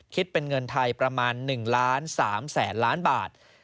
คิดเป็นเงินไทยประมาณ๑ล้าน๓แสนล้านบาท